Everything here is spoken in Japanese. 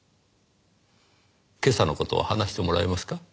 今朝の事を話してもらえますか？